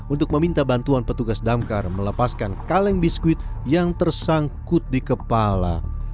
untuk meminta bantuan petugas damkar melepaskan kaleng biskuit yang tersangkut di kepala